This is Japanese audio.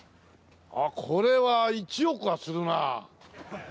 あっこれは１億はするなあ。